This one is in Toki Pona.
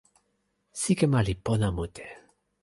sike ma li pona mute.